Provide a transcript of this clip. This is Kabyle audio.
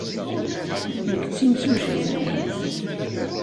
Nekk d timsujjit-nwent.